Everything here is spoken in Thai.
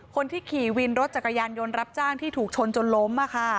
คนที่ขี่วินรถจักรยานยนต์รับจ้างที่ถูกชนจนล้ม